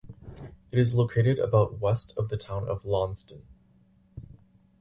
It is located about west of the town of Launceston.